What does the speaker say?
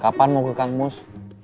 kapan mau ke kampus